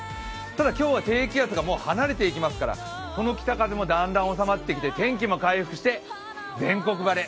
ただ、今日は低気圧が離れていきますから、この北風がだんだんおさまってきて、天気も回復して、全国晴れ。